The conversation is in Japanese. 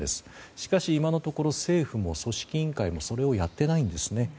しかし、今のところ政府も組織委員会もそれをやってないんですね。